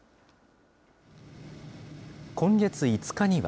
今月５日には。